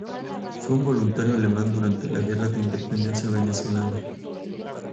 Fue un voluntario alemán durante la Guerra de Independencia venezolana.